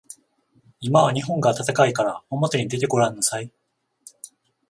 今は日本が暖かいからおもてに出てごらんなさい。